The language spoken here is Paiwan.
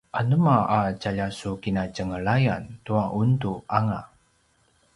anema a tjalja su kinatjenglayan tua undu anga?